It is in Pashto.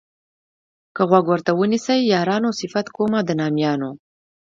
که غوږ ورته ونیسئ یارانو صفت کومه د نامیانو.